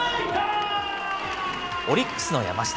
オリックスの山下。